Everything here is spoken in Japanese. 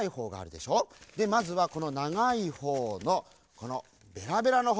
でまずはこのながいほうのこのベラベラのほう。